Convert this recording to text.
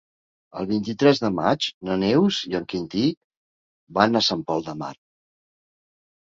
El vint-i-tres de maig na Neus i en Quintí van a Sant Pol de Mar.